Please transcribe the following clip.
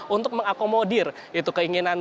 untuk mengakomodir keinginan